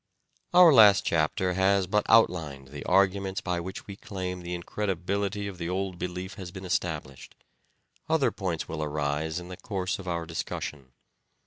Our last chapter has but outlined the arguments by which we claim the incredibility of the old belief has been established ; other points will arise in the course of our discussion.